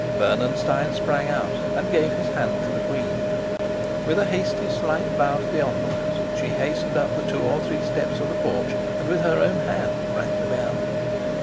Bernenstein sprang out and gave his hand to the queen. With a hasty slight bow to the onlookers, she hastened up the two or three steps of the porch, and with her own hand rang the bell.